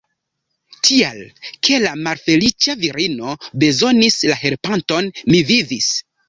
Tial ke la malfeliĉa virino bezonis helpanton, mi vivis.